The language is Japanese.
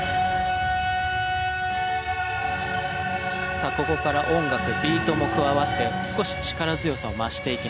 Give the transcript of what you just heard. さあここから音楽ビートも加わって少し力強さを増していきます。